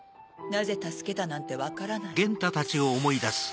なぜ助けたなんて分からない